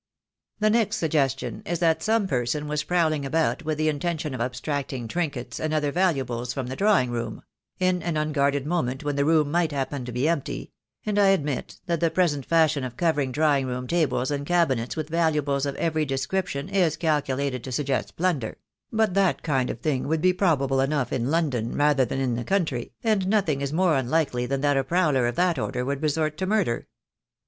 "The next suggestion is that some person was prowling about with the intention of abstracting trinkets and other valuables from the drawing room — in an unguarded mo ment when the room might happen to be empty — and I admit that the present fashion of covering drawing room tables and cabinets with valuables of every description is calculated to suggest plunder; but that kind of thing would be probable enough in London rather than in the country, and nothing is more unlikely than that a prowler of that order would resort to murder.